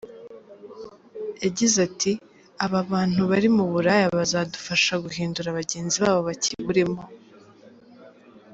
Yagize ati “Aba bantu bari mu buraya bazadufasha guhindura bagenzi babo bakiburimo.